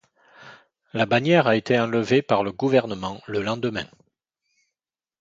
La bannière a été enlevée par le gouvernement le lendemain.